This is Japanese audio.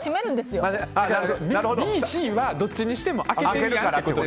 Ｂ、Ｃはどっちにしても開けてるから。